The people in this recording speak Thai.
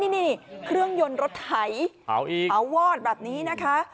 นี่เครื่องยนต์รถไถเอาวอดแบบนี้นะคะ